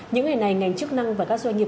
những ngày này ngành chức năng và các doanh nghiệp